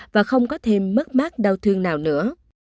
và không có thêm mất mát đau thương nào nữa